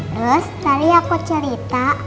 terus tadi aku cerita